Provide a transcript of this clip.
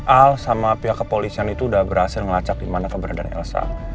al sama pihak kepolisian itu udah berhasil ngelacak dimana kabar dari elsa